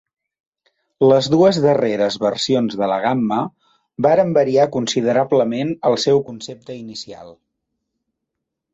Les dues darreres versions de la gamma varen variar considerablement el seu concepte inicial.